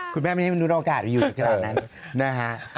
คุณแม่ไม่ให้มันรู้โอกาสอยู่จากเกราะนั้น